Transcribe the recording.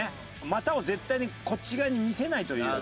股を絶対にこっち側に見せないという。